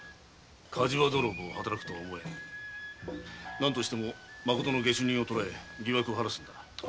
何としてもまことの下手人を捕らえ疑惑を晴らすのだ。